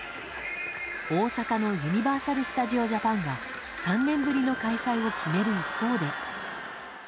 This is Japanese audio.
大阪のユニバーサル・スタジオ・ジャパンが３年ぶりの開催を決める一方で。